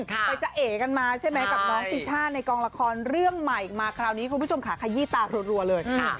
ไปจะเอ๋กันมาใช่ไหมกับน้องติช่าในกองละครเรื่องใหม่มาคราวนี้คุณผู้ชมค่ะขยี้ตารัวเลย